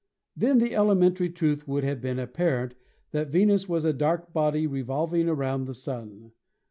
Then the elementary truth would have been apparent that Venus was a dark body revolving around the Sun.